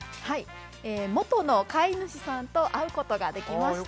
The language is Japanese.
元の飼い主さんと会うことができました。